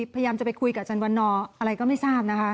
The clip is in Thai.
พยายามจะไปคุยกับอาจารย์วันนอร์อะไรก็ไม่ทราบนะคะ